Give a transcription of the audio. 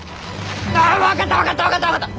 ああ分かった分かった分かった分かった！